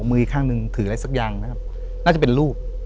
มืออีกข้างหนึ่งถืออะไรสักอย่างนะครับน่าจะเป็นรูป